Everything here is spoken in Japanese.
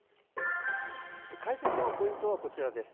解説のポイントはこちらです。